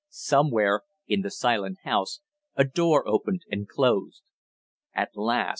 Somewhere in the silent house, a door opened and closed. "At last!"